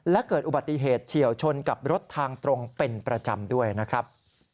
และเกิดอุบัติเหตุเฉียวชนกับรถทางตรงเป็นประจำด้วยนะครับ